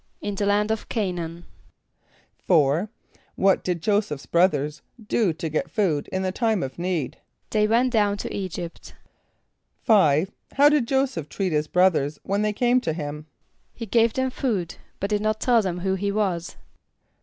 =In the land of C[=a]´n[)a]an.= =4.= What did J[=o]´[s+]eph's brothers do to get food in the time of need? =They went down to [=E]´[.g][)y]pt.= =5.= How did J[=o]´[s+]eph treat his brothers when they came to him? =He gave them food but did not tell them who he was.